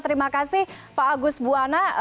terima kasih pak agus buwana